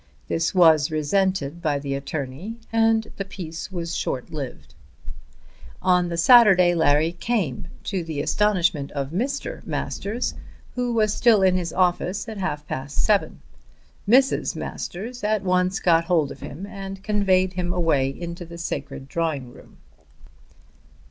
This was resented by the attorney, and the peace was short lived. On the Saturday Larry came, to the astonishment of Mr. Masters, who was still in his office at half past seven. Mrs. Masters at once got hold of him and conveyed him away into the sacred drawing room.